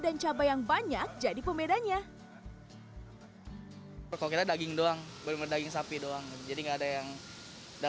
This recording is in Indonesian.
dan cabai yang banyak jadi pembedanya kok kita daging doang berdaging sapi doang jadi enggak ada